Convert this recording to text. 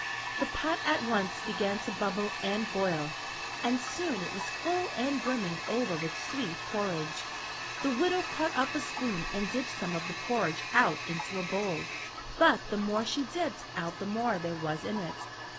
The pot at once began to bubble and boil, and soon it was full and brimming over with sweet porridge. The widow caught up a spoon and dipped some of the porridge out into a bowl, but the more she dipped out the more there was in it.